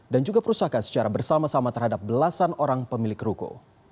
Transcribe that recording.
dan juga perusahaan secara bersama sama terhadap belasan orang pemilik ruko